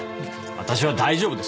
私は大丈夫です。